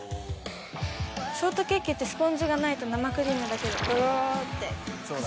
ショートケーキってスポンジがないと生クリームだけでどろって。